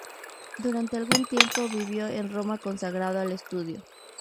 Durante algún tiempo vivió en Roma consagrado al estudio.